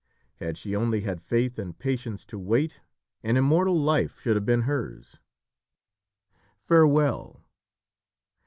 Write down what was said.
Had she only had faith and patience to wait, an immortal life should have been hers. "Farewell!